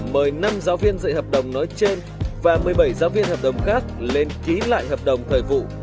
mời năm giáo viên dạy hợp đồng nói trên và một mươi bảy giáo viên hợp đồng khác lên ký lại hợp đồng thời vụ